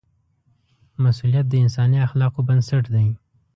مسؤلیت د انساني اخلاقو بنسټ دی.